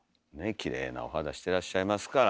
きれいなお肌してらっしゃいますから。